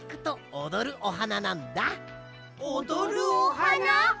おどるおはな？